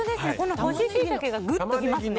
干しシイタケがグッときますね！